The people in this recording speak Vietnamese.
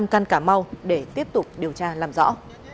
căn cà mau để tiếp tục điều tra làm rõ